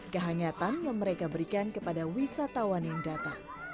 kehangatan yang mereka berikan kepada wisatawan yang datang